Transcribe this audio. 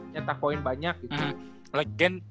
nyetak poin banyak gitu